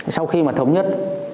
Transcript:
sau khi mà thống nhất